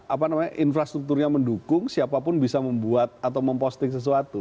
apa namanya infrastrukturnya mendukung siapapun bisa membuat atau memposting sesuatu